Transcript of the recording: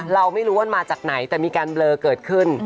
เราไม่รู้ว่ามาจากไหนแต่มีการเบลอเกิดขึ้น